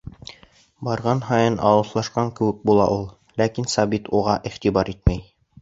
Барған һайын алыҫлашҡан кеүек була ул. Ләкин Сабит уға иғтибар итмәй.